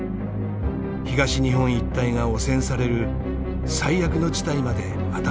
東日本一帯が汚染される最悪の事態まで頭をよぎっていた。